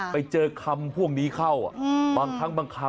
ไปเจอคำพวกนี้เข้าบางครั้งบางคำ